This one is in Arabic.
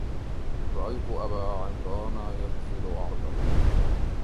رأيت أبا عمران يبذل عرضه